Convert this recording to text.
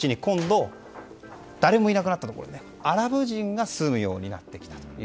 このパレスチナの地に今度は誰もいなくなったところにアラブ人が住むようなってきたと。